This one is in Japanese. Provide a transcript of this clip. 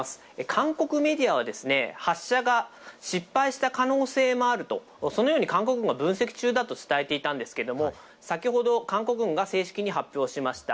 韓国メディアはですね、発射が失敗した可能性もあると、そのように韓国軍が分析中だと伝えていたんですけれども、先ほど韓国軍が正式に発表しました。